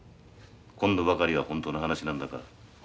今度ばかりは本当の話なんだから。